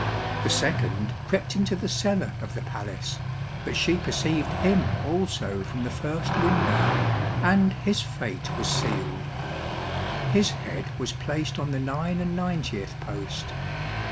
The second crept into the cellar of the palace, but she perceived him also from the first window, and his fate was sealed. His head was placed on the nine and ninetieth post.